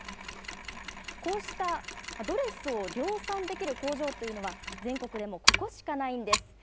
こうしたドレスを量産できる工場というのは、全国でもここしかないんです。